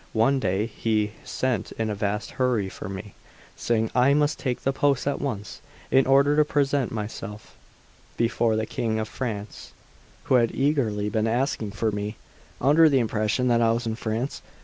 One day he sent in a vast hurry for me, saying I must take the post at once, in order to present myself before the King of France, who had eagerly been asking for me, under the impression that I was in France.